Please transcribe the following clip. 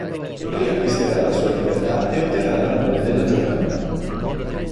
Riacquisterà la sua libertà e otterrà l'amore della giovane.